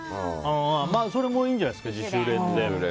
それもいいんじゃないですか自主練で。